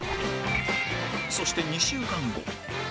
そして２週間後